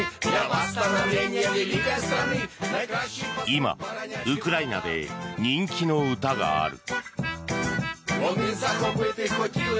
今、ウクライナで人気の歌がある。